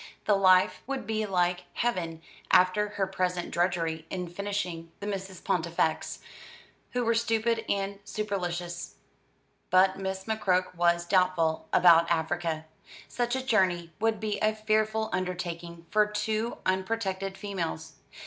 The life would be like heaven after her present drudgery in finishing the Misses Pontifex, who were stupid and supercilious. But Miss McCroke was doubtful about Africa. Such a journey would be a fearful undertaking for two unprotected females.